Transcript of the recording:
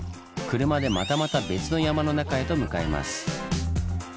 車でまたまた別の山の中へと向かいます。